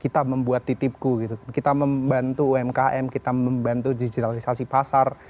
kita membuat titipku gitu kita membantu umkm kita membantu digitalisasi pasar